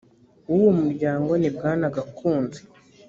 w uwo muryango ni bwana gakunzi